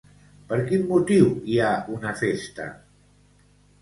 Per quin motiu hi ha una festa?